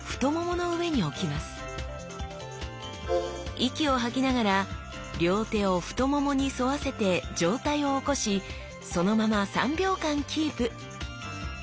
息を吐きながら両手を太ももに沿わせて上体を起こしそのまま３秒間キープ！